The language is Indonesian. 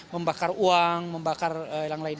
membakar uang membakar yang lain